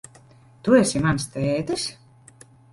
Tu esi mans tētis?